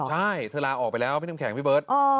ใช่เธอลาออกไปแล้วพี่น้ำแข็งพี่เบิร์ต